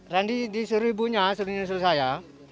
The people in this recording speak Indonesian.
randi disuruh ibunya disuruh saya